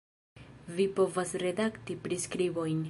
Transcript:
Vi povas redakti priskribojn